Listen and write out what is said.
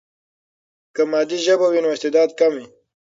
که مادي ژبه وي، نو استعداد کم وي.